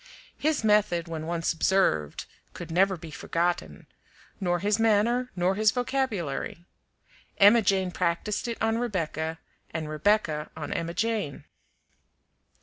His method, when once observed, could never be forgotten; nor his manner, nor his vocabulary. Emma Jane practiced it on Rebecca, and Rebecca on Emma Jane.